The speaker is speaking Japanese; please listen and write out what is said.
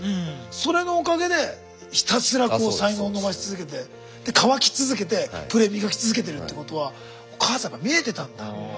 それのおかげでひたすら才能を伸ばし続けて渇き続けてプレーを磨き続けてるってことはお母さんやっぱ見えてたんだ。